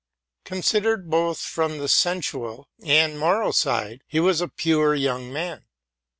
Considered, both from the sensual and moral side, he was a pure young man.